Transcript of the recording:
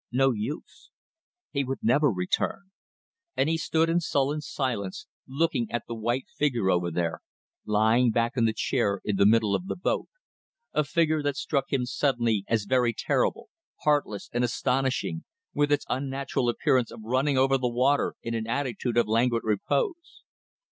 No use. He would never return. And he stood in sullen silence looking at the white figure over there, lying back in the chair in the middle of the boat; a figure that struck him suddenly as very terrible, heartless and astonishing, with its unnatural appearance of running over the water in an attitude of languid repose.